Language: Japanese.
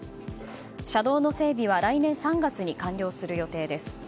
車道の整備は来年３月に完了する予定です。